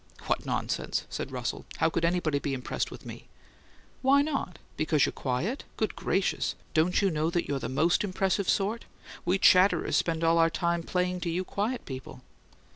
"What nonsense!" said Russell. "How could anybody be impressed with me?" "Why not? Because you're quiet? Good gracious! Don't you know that you're the most impressive sort? We chatterers spend all our time playing to you quiet people."